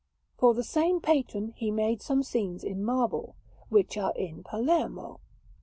For the same patron he made some scenes in marble, which are in Palermo.